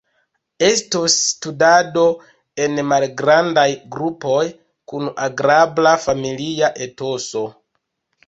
Estos studado en malgrandaj grupoj kun agrabla familia etoso.